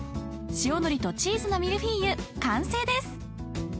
［塩のりとチーズのミルフィーユ完成です］